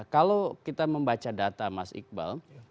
kalau kita membaca data mas iqbal